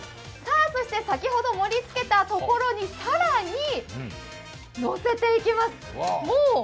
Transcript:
そして先ほど盛りつけたところに更にのせていきます。